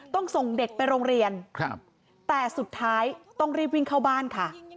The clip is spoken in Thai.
ต้องส่งเด็กไปโรงเรียนแต่สุดท้ายต้องรีบวิ่งเข้าบ้านค่ะ